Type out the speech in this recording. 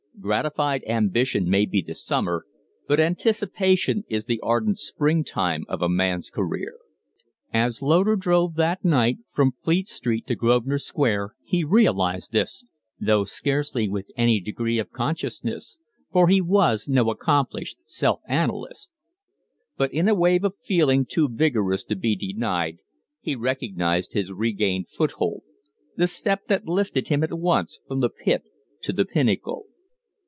Gratified ambition may be the summer, but anticipation is the ardent spring time of a man's career. As Loder drove that night frown Fleet Street to Grosvenor Square he realized this though scarcely with any degree of consciousness for he was no accomplished self analyst. But in a wave of feeling too vigorous to be denied he recognized his regained foothold the step that lifted him at once from the pit to the pinnacle.